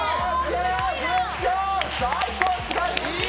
最高！